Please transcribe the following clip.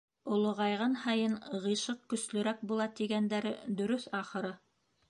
Олоғайған һайын ғишыҡ көслөрәк була, тигәндәре дөрөҫ, ахыры.